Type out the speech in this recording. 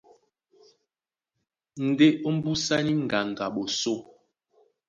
Ndé ómbùsá ní ŋgando a ɓosó,